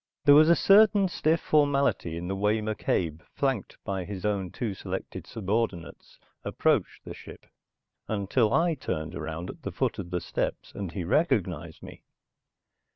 There was a certain stiff formality in the way McCabe, flanked by his own two selected subordinates, approached the ship until I turned around at the foot of the steps and he recognized me.